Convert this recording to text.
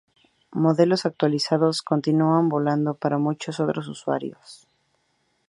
Modelos actualizados continúan volando para muchos otros usuarios.